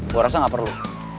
gue rasa nggak perlu